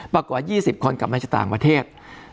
กว่า๒๐คนกลับมาจากต่างประเทศ